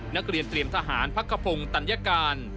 นักเรียนเตรียมทหารพักขพงศ์ตัญญาการ